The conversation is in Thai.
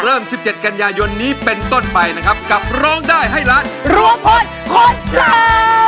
เริ่ม๑๗กันยายนนี้เป็นต้นไปนะครับกับร้องได้ให้ร้านรัวพลคนช้ำ